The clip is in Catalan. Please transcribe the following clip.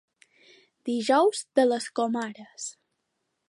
Dijous de les comares.